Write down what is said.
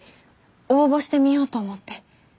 応募してみようと思って。